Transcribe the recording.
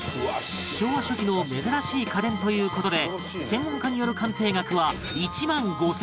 昭和初期の珍しい家電という事で専門家による鑑定額は